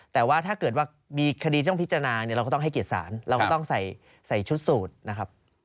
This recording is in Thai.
แต่ว่าถ้าเกิดว่ามีคดีต้องพิจารณาเนี่ยเราก็ต้องให้เกียรติศาลเราก็ต้องใส่ชุดสูตรนะครับ